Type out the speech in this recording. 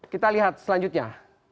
kita lihat selanjutnya